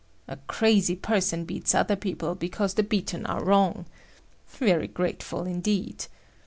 A crazy person beats other people because the beaten are wrong. Very grateful, indeed.